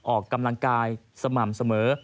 ออกกำลังกายสม่ำเสมอ